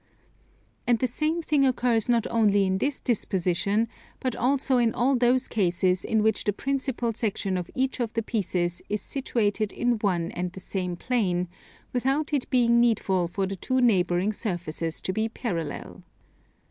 And the same thing occurs not only in this disposition, but also in all those cases in which the principal section of each of the pieces is situated in one and the same plane, without it being needful for the two neighbouring surfaces to be parallel.